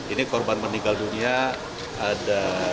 ini korban meninggal dunia ada